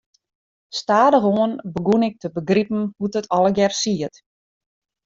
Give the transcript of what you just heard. Stadichoan begûn ik te begripen hoe't it allegearre siet.